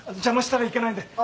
邪魔したらいけないんで。